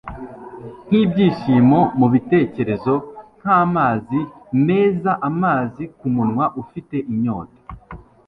Nkibyishimo mubitekerezo nkamazi mezaamazi kumunwa ufite inyota